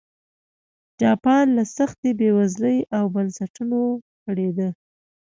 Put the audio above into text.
جاپان له سختې بېوزلۍ او بنسټونو کړېده.